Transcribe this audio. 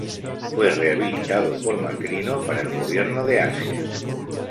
Fue rehabilitado por Macrino para el gobierno de Asia.